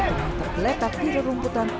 dengan tergeletak di rumputan